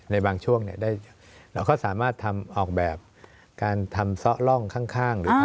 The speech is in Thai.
ในบางช่วงเราก็สามารถทำออกแบบการทำซ่อร่องข้าง